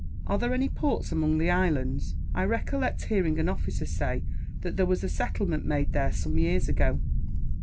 "Are there any ports among the islands? I recollect hearing an officer say that there was a settlement made there, some years ago."